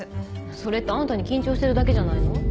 それってあんたに緊張してるだけじゃないの？